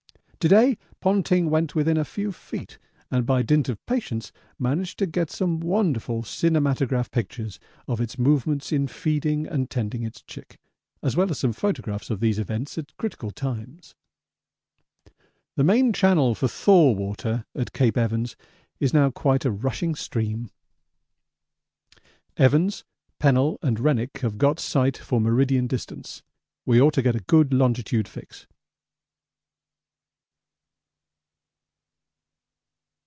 To day Ponting went within a few feet, and by dint of patience managed to get some wonderful cinematograph pictures of its movements in feeding and tending its chick, as well as some photographs of these events at critical times. The main channel for thaw water at Cape Evans is now quite a rushing stream. Evans, Pennell, and Rennick have got sight for meridian distance; we ought to get a good longitude fix.